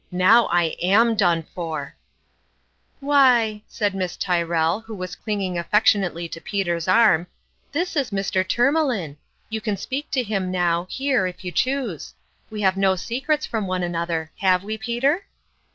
" Now I am done for !"" Why," said Miss Tyrrell, who was clinging affectionately to Peter's arm, " this is Mr. Tour malin ! You can speak to him now here, if you choose. We have no secrets from one an other have we, Peter